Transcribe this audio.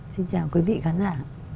xin chào quý vị khán giả